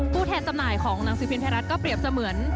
ผู้แทนจำหน่ายของหนังสือพิมพ์ไทยรัฐก็เปรียบเสมือน